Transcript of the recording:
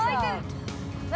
何？